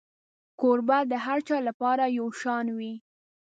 کوربه د هر چا لپاره یو شان وي.